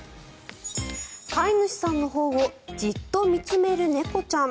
飼い主さんのほうをジッと見つめる猫ちゃん。